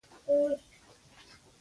دا یې تکراري کلیمه بولو.